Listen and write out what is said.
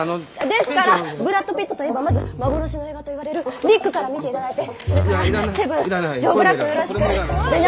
ですからブラッド・ピットといえばまず幻の映画といわれる「リック」から見て頂いてそれから「セブン」「ジョー・ブラックをよろしく」「ベンジャミン・バトン数奇な人生」。